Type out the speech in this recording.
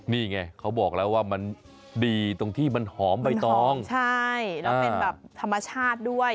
นี่ไงเขาบอกแล้วว่ามันดีตรงที่มันหอมใบตองใช่แล้วเป็นแบบธรรมชาติด้วย